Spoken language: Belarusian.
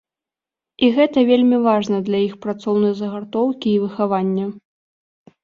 І гэта вельмі важна для іх працоўнай загартоўкі і выхавання.